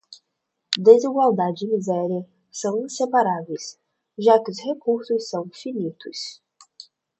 Desigualdade e miséria são inseparáveis, já que os recursos são finitos